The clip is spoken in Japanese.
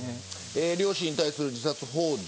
両親に対する自殺ほう助